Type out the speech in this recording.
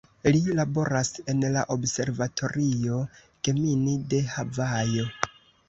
Li laboras en la Observatorio Gemini de Havajo.